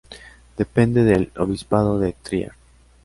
Depende del obispado de Trier.